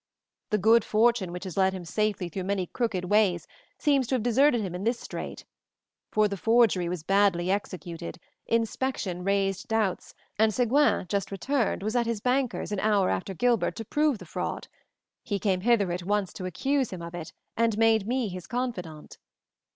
The good fortune which has led him safely through many crooked ways seems to have deserted him in this strait. For the forgery was badly executed, inspection raised doubts, and Seguin, just returned, was at his banker's an hour after Gilbert, to prove the fraud; he came hither at once to accuse him of it and made me his confidant.